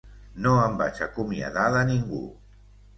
No em vaig acomiadar de ningú.